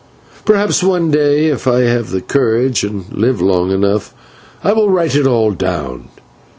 Perhaps, one day, if I have the courage and live long enough, I will write it all down.